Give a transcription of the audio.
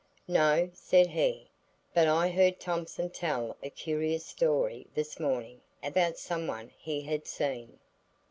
"No," said he, "but I heard Thompson tell a curious story this morning about some one he had seen."